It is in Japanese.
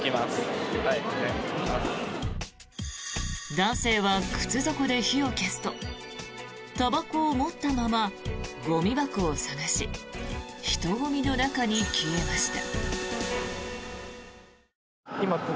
男性は靴底で火を消すとたばこを持ったままゴミ箱を探し人混みの中に消えました。